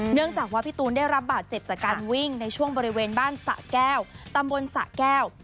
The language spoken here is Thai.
เนื่องจากว่าพี่ตูนได้รับบาดเจ็บจากการวิ่งในช่วงบริเวณบ้านสะแก้วตำบลสะแก้ว